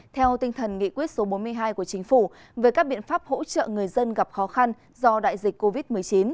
theo tinh thần nghị quyết số bốn mươi hai của chính phủ về các biện pháp hỗ trợ người dân gặp khó khăn do đại dịch covid một mươi chín